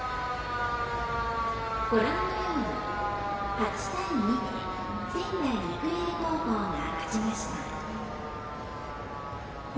ご覧のように８対２で仙台育英高校が勝ちました。